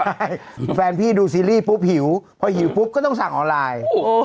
ใช่แฟนพี่ดูซีรีส์ปุ๊บหิวพอหิวปุ๊บก็ต้องสั่งออนไลน์